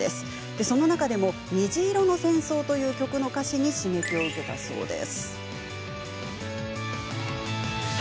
その中でも「虹色の戦争」という曲の歌詞に刺激を受けたそうです。